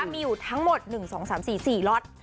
มีอยู่ทั้งหมด๑๒๓๔๔ล็อต